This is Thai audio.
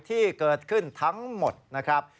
ที่เกิดขึ้นทั้งหมดนะครับ